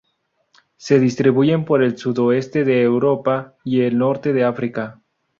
Se distribuyen por el sudoeste de Europa y el norte de África.